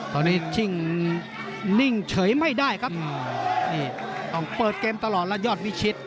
ตอนนี้ชิ่งนิ่งเฉยไม่ได้ครับนี่ต้องเปิดเกมตลอดแล้วยอดวิชิต